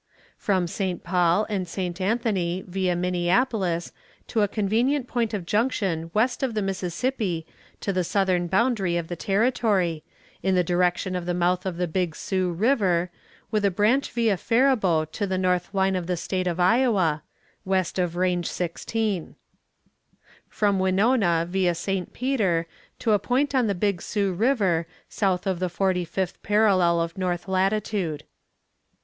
From St. Paul and from St. Anthony via Minneapolis to a convenient point of junction west of the Mississippi to the southern boundary of the territory, in the direction of the mouth of the Big Sioux river, with a branch via Faribault to the north line of the state of Iowa, west of range 16. From Winona via St. Peter to a point on the Big Sioux river, south of the forty fifth parallel of north latitude.